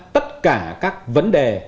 tất cả các vấn đề